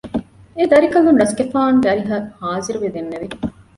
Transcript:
އެދަރިކަލުން ރަސްގެފާނުގެ އަރިހަށް ޚާޒިރުވެ ދެންނެވި